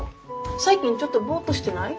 最近ちょっとボーッとしてない？